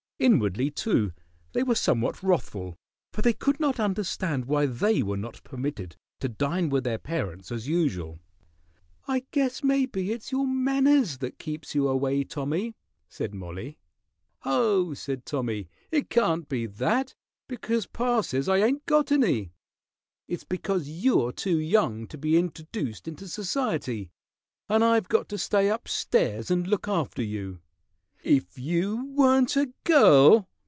Inwardly, too, they were somewhat wrathful, for they could not understand why they were not permitted to dine with their parents as usual. "I guess maybe it's your manners that keeps you away, Tommy," said Mollie. "Hoh!" said Tommy. "It can't be that, because pa says I ain't got any. It's because you're too young to be introdoosed into society, and I've got to stay up stairs and look after you. If you weren't a girl!"